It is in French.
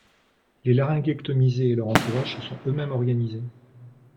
Les laryngectomisés et leur entourage se sont eux-mêmes organisés.